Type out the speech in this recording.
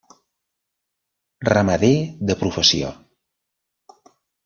Ramader de professió.